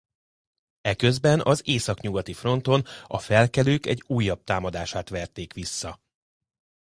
Eközben az északnyugati fronton a felkelők egy újabb támadását verték vissza.